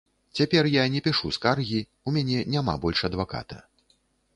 Цяпер я не пішу скаргі, у мяне няма больш адваката.